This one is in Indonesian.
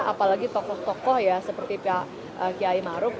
apalagi tokoh tokoh ya seperti pak kiai maruf